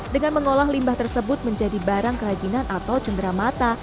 dengan mengolah limbah tersebut menjadi barang kerajinan atau cenderamata